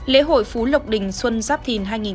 lễ hội phú lộc đình xuân giáp thìn hai nghìn hai mươi bốn